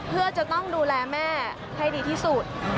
เพื่อจะต้องดูแลแม่ให้ดีที่สุด